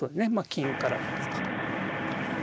金からですか。